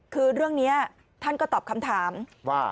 คือเรื่องนี้ท่านก็ตอบคำถามว่า